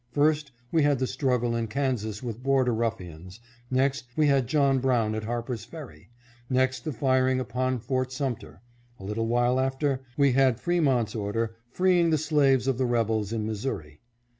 First, we had the struggle in Kansas with border ruffians ; next, we had John Brown at Harper's Perry ; next the firing upon Fort Sumter ; a little while after, we had Fremont's order, freeing the slaves of the rebels in Missouri.